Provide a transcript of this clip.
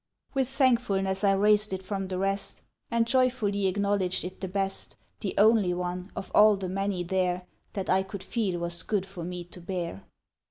With thankfulness I raised it from the rest, And joyfully acknowledged it the best, The only one, of all the many there. That I could feel was good for me to bear.